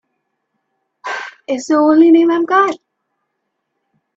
It's the only name I've got.